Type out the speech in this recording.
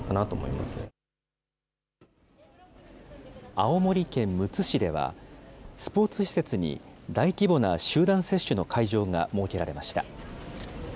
青森県むつ市では、スポーツ施設に大規模な集団接種の会場が設けられました。